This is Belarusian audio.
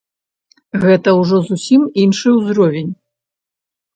Гэта ўжо зусім іншы ўзровень.